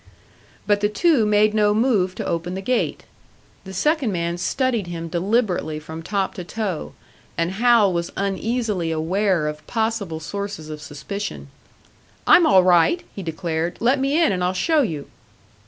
But the two made no move to open the gate. The second man studied him deliberately from top to toe, and Hal was uneasily aware of possible sources of suspicion. "I'm all right," he declared. "Let me in, and I'll show you."